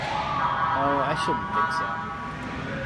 Oh, I shouldn't think so.